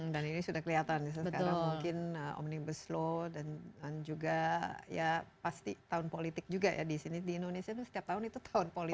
dan ini sudah kelihatan ya sekarang mungkin omnibus law dan juga ya pasti tahun politik juga ya disini di indonesia itu setiap tahun itu tahun politik ya